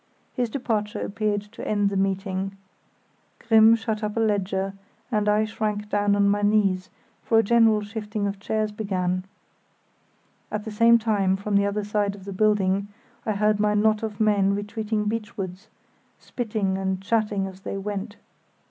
His departure appeared to end the meeting. Grimm shut up a ledger, and I shrank down on my knees, for a general shifting of chairs began. At the same time, from the other side of the building, I heard my knot of men retreating beachwards, spitting and chatting as they went.